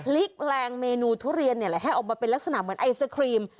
แรงเมนูทุเรียนให้ออกมาเป็นลักษณะเหมือนไอศครีม